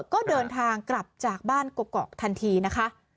ก็เดินทางกลับจากบ้านกกอกทันทีนะคะ